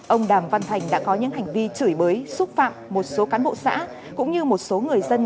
ông đàm văn thành đã có những hành vi chửi bới xúc phạm một số cán bộ xã cũng như một số người dân